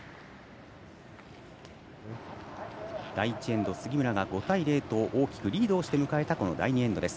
第１エンド、杉村が５対０と大きくリードをして迎えた第２エンドです。